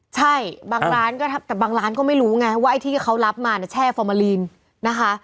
ใช่บางร้านก็แต่บางร้านก็ไม่รู้ไงว่าไอ้ที่เขารับมาเนี่ยแช่ฟอร์มาลีนนะคะ